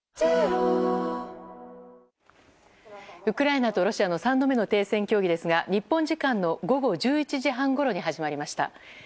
ウクライナとロシアの３度目の停戦協議ですが日本時間の午後１１時半ごろに始まりました。